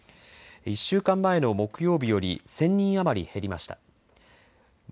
１週間前の木曜日より１０００人余り減りました。